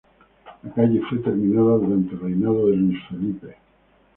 La calle fue terminada durante el reinado de Luis Felipe.